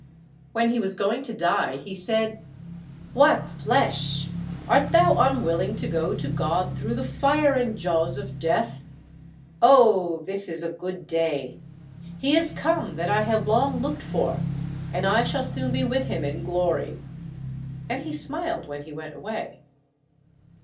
When he was going to die, he said, "What, flesh! art thou unwilling to go to God through the fire and jaws of death? Oh! this is a good day. He is come that I have long looked for, and I shall soon be with Him in glory." And he smiled when he went away.